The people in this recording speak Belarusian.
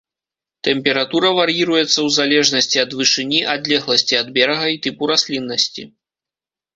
Тэмпература вар'іруецца ў залежнасці ад вышыні, адлегласці ад берага і тыпу расліннасці.